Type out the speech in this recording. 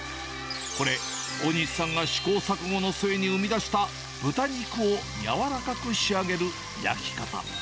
これ、大西さんが試行錯誤の末に生み出した、豚肉をやわらかく仕上げる焼き方。